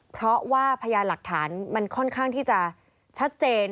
เพราะว่าพยานหลักฐานมันค่อนข้างที่จะชัดเจน